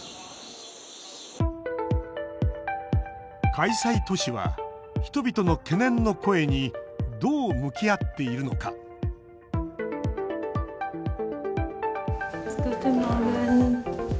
開催都市は、人々の懸念の声にどう向き合っているのかグーテンモルゲン。